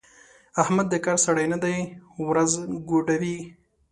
احمد د کار سړی نه دی؛ ورځ ګوډوي.